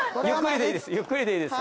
ゆっくりでいいです。